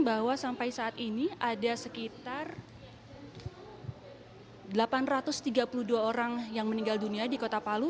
bahwa sampai saat ini ada sekitar delapan ratus tiga puluh dua orang yang meninggal dunia di kota palu